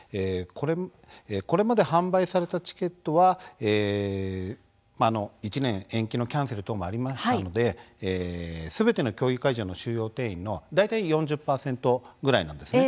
これまで販売されたチケットは１年延期のキャンセル等もありましたのですべての競技会場の収容定員の大体４０％ぐらいなんです。